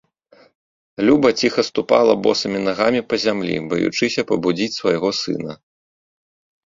Люба ціха ступала босымі нагамі па зямлі, баючыся пабудзіць свайго сына.